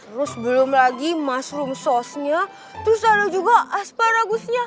terus belum lagi mushroom sauce nya terus ada juga asparagus nya